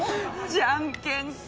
じゃんけんか。